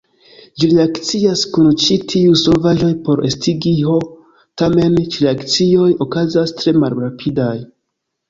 Ĝi reakcias kun ĉi-tiuj solvaĵoj por estigi H, tamen, ĉi-reakcioj okazas tre malrapidaj.